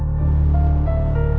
tidak ada yang bisa dihukum